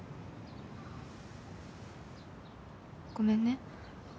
ごめんね。